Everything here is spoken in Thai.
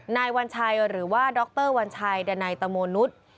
นายวัญชัยหรือว่าดรวัญชัยดันัยตะโมนุษย์